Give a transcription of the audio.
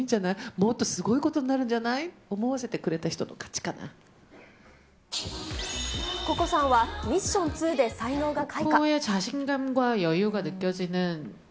もっとすごいことになるんじゃないって思わせてくれた人が勝ちかココさんは、ミッション２で才能が開花。